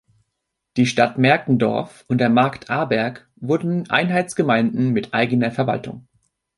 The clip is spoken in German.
Die Stadt Merkendorf und der Markt Arberg wurden Einheitsgemeinden mit eigener Verwaltung.